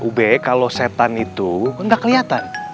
ube kalau setan itu kok gak keliatan